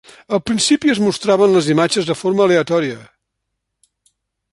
Al principi, es mostraven les imatges de forma aleatòria.